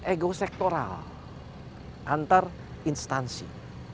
ego sektoral antar instansi